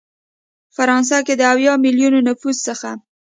فرانسه کې د اویا ملیونه نفوس څخه